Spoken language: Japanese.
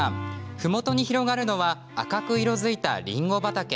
ふもとに広がるのは赤く色づいたりんご畑。